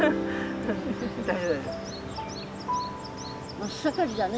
真っ盛りだね。